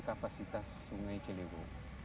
kapasitas sungai ciliwung